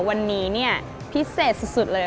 วันนี้เนี่ยพิเศษสุดเลย